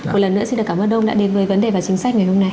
một lần nữa xin cảm ơn ông đã đến với vấn đề và chính sách ngày hôm nay